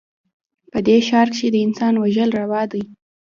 په دې ښـار کښې د انسان وژل روا دي